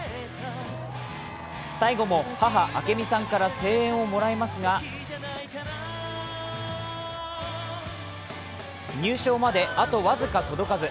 最後も母・明美さんから声援をもらいますが入賞まであと僅か届かず。